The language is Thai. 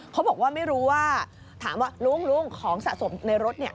เขาบอกว่าไม่รู้ว่าถามว่าลุงลุงของสะสมในรถเนี่ย